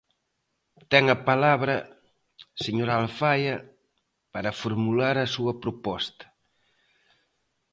Ten a palabra, señora Alfaia, para formular a súa proposta.